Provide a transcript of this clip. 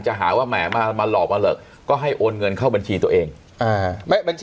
หาว่าแหมมามาหลอกมาหลอกก็ให้โอนเงินเข้าบัญชีตัวเองอ่า